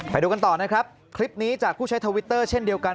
ไปดูกันต่อนะครับคลิปนี้จากผู้ใช้ทวิตเตอร์เช่นเดียวกัน